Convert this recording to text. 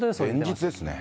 連日ですね。